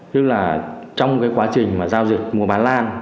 tức là trong cái quá trình mà giao dịch mua bán lan